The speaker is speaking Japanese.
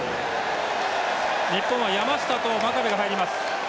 日本は山下と真壁が入ります。